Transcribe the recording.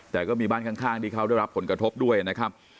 แต่ก็มีบ้านข้างที่เขาได้รับผลกระทบด้วยนะครับ